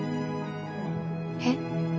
えっ？